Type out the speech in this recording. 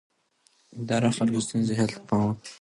اداره د خلکو د ستونزو حل ته پام کوي.